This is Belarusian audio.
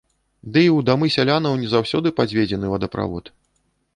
Ды і ў дамы сялянаў не заўсёды падведзены вадаправод.